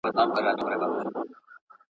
ته بچی د بد نصیبو د وطن یې `